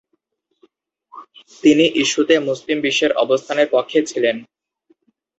তিনি ইস্যুতে মুসলিম বিশ্বের অবস্থানের পক্ষে ছিলেন।